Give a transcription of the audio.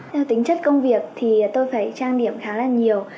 theo tính chất công việc thì tôi phải trang điểm khá là nhiều